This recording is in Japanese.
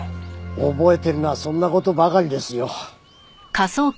覚えてるのはそんな事ばかりですよ。